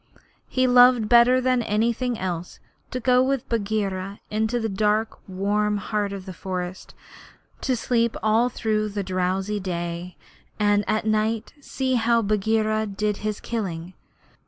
He loved better than anything else to go with Bagheera into the dark warm heart of the forest, to sleep all through the drowsy day, and at night see how Bagheera did his killing.